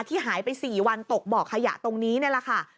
ที่หายไป๔วันตกบ่อขยะตรงนี้นี่แหละค่ะ